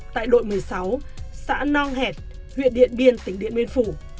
tại đội một mươi sáu xã nong hẹt huyện điện biên tỉnh điện biên phủ